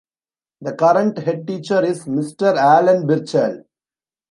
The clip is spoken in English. The current headteacher is Mr. Alan Birchall.